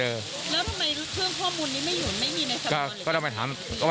แล้วทำไมเครื่องข้อมูลนี้ไม่อยู่ไม่มีในสำนวนหรือเปล่า